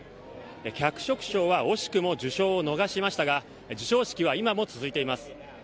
脚色賞は惜しくも受賞を逃しましたが、授賞式は今も続いています。